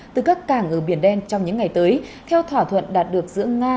từ các cảng ở biển đen trong những ngày tới theo thỏa thuận đạt được giữa nga